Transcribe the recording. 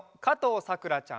さくらちゃん。